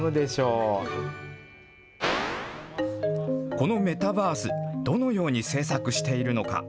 このメタバース、どのように制作しているのか。